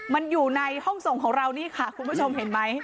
มันอยู่ในห้องส่งของเรานี่ค่ะคุณผู้ชมเห็นไหม